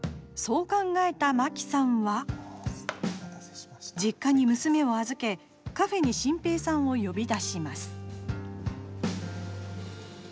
そう考えた、まきさんは実家に娘を預けカフェに新平さんを呼び出します。